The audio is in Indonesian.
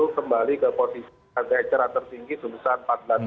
kembali ke posisi harga eceran tertinggi sebesar empat belas